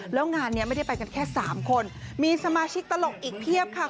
แล้วงานนี้ไม่ได้ไปกันแค่๓คนมีสมาชิกตลกอีกเพียบค่ะ